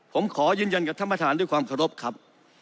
ผมขอยืนยันกับท่านประธานด้วยความเคารพครับ